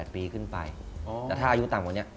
๘ปีขึ้นไปแต่ถ้าอายุต่ำกว่านี้